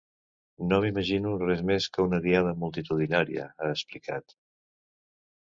No m’imagino res més que una Diada multitudinària, ha explicat.